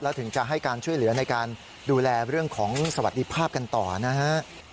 ถึงจะให้การช่วยเหลือในการดูแลเรื่องของสวัสดีภาพกันต่อนะฮะ